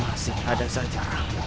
masih ada saja